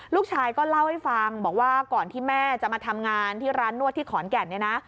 ลูกชายก็เล่าให้ฟังบอกว่าก่อนที่แม่จะมาทำงานที่ร้านนวดที่ขอนแก่นเนี่ยนะ